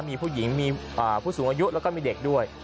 มีผู้หญิงมีผู้สูงอายุแล้วก็มีเด็กด้วย